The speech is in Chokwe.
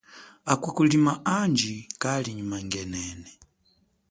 Akwa kulima andji kali nyi mangenene.